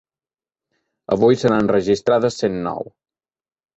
Avui se n’han registrades cent nou.